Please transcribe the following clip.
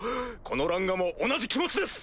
このランガも同じ気持ちです！